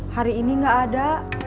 hari ini gak ada